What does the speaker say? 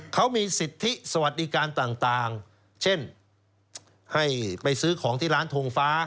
เขามีสิทธิสวัสดิการต่างเช่นให้ไปซื้อของที่ร้านทงฟ้า